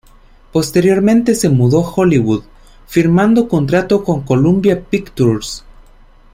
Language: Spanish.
Posteriormente se mudó a Hollywood, firmando contrato con Columbia Pictures.